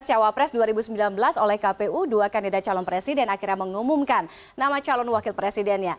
cawapres dua ribu sembilan belas oleh kpu dua kandidat calon presiden akhirnya mengumumkan nama calon wakil presidennya